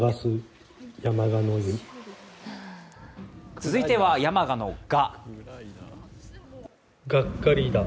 続いては、山鹿の「が」。